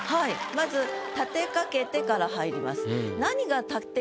まず「立てかけて」から入ります。